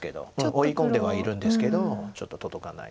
追い込んではいるんですけどちょっと届かない。